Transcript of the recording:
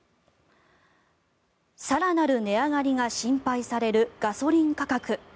更なる値上がりが心配されるガソリン価格。